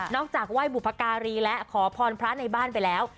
จากไหว้บุพการีและขอพรพระในบ้านไปแล้ว